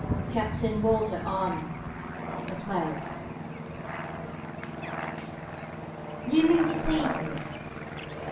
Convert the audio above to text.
CAPTAIN WALTER ARNOLD A PLAY Do you mean to please me.